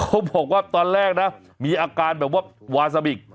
เขาบอกว่าตอนแรกนะมีอาการแบบว่าวาซาบิก